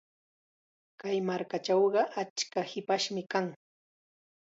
Kay markachawqa achka hipashmi kan.